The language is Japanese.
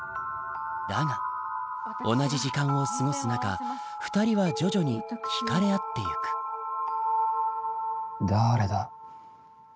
だが同じ時間を過ごす中２人は徐々に惹かれ合ってゆくだーれだ。